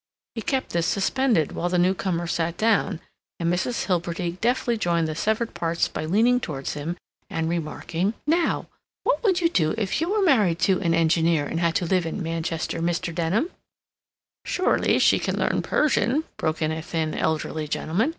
He kept this suspended while the newcomer sat down, and Mrs. Hilbery deftly joined the severed parts by leaning towards him and remarking: "Now, what would you do if you were married to an engineer, and had to live in Manchester, Mr. Denham?" "Surely she could learn Persian," broke in a thin, elderly gentleman.